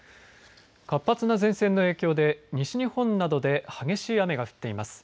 活発な前線の影響で西日本などで激しい雨が降っています。